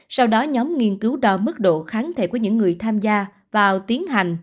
sau đó nhóm nghiên cứu đo mức độ kháng thể của những người tham gia vào tiến hành